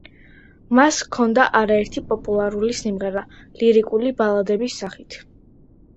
მას ჰქონდა არაერთი პოპულარული სიმღერა, ლირიკული ბალადების სახით.